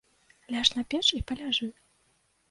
Ляж на печ і паляжы.